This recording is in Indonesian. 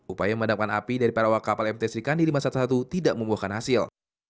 upaya memadamkan api dari para awak kapal mt srikandi lima ratus sebelas tidak membuahkan hasil